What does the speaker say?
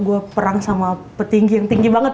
gue perang sama petinggi yang tinggi banget